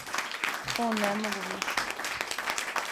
О, не могу више!